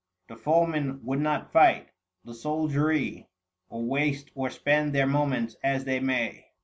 The foeman would not fight ; the soldiery, Or waste or spend their moments as they may.